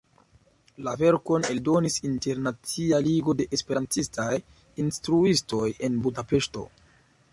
La verkon eldonis Internacia Ligo de Esperantistaj Instruistoj en Budapeŝto.